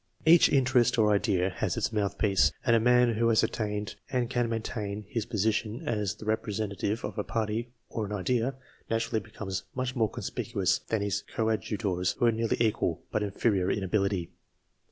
Each interest or idea has its mouthpiece, and a man who has attained and can maintain his position as the representative of a party or an idea, naturally becomes much more conspicuous than his coadjutors who are nearly equal but inferior in ability.